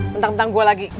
mentang mentang gue lagi